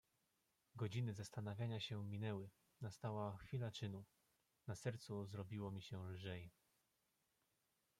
"Godziny zastanawiania się minęły, nastała chwila czynu; na sercu zrobiło mi się lżej."